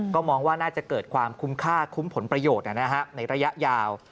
ก็มองว่าน่าจะเกิดความคุ้มค่าคุ้มผลประโยชน์ในระยะยาว